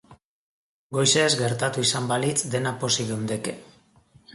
Goizez gertatu izan balitz, denak pozik geundeke.